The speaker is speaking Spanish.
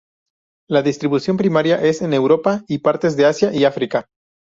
La distribución primaria es en Europa y partes de Asia y África.